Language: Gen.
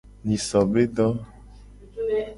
Nyiso be do.